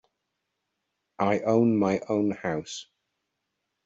I own my own house.